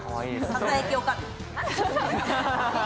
ささやき女将。